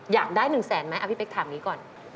อยากได้๑แสนไหมพี่เป๊กถามอย่างนี้ก่อน